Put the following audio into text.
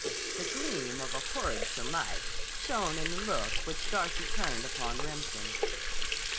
The gleam of a horrid surmise shone in the look which Darcy turned upon Remsen.